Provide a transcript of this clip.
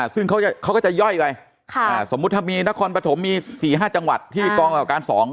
ซึ่งเขาก็จะย่อยไว้ค่ะสมมุติถ้ามีนครปฐมมีสี่ห้าจังหวัดที่กองกำกับการสอง